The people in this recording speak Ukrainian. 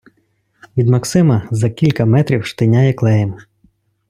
Від Максима за кілька метрів штиняє” клеєм.